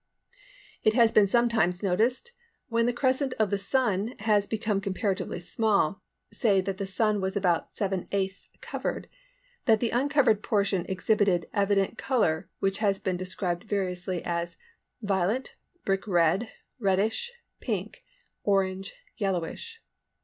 It has been sometimes noticed when the crescent of the Sun had become comparatively small, say that the Sun was about ⅞ths covered, that the uncovered portion exhibited evident colour which has been variously described as "violet," "brick red," "reddish," "pink," "orange," "yellowish."